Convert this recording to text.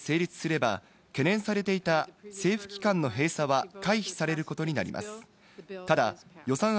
バイデン大統領の署名を経て成立すれば、懸念されていた政府機関の閉鎖は回避されることになります。